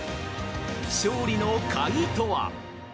勝利の鍵とは。